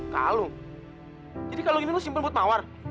kalung jadi kalung ini lo simpel buat mawar